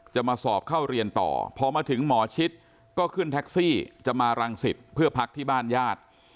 จะมาสอบเข้าเรียนต่อพอมาถึงหมอชิดก็ขึ้นแท็กซี่จะมารังสิตเพื่อพักที่บ้านญาติ